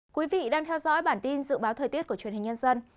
quý vị đang theo dõi bản tin dự báo thời tiết của truyền hình nhân dân